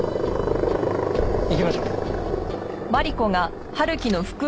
行きましょう。